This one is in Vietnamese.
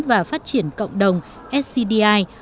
và phát triển cộng đồng scdi